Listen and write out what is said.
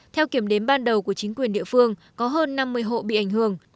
theo kiểm đếm ban đầu của chính quyền địa phương có hơn năm mươi hộ bị ảnh hưởng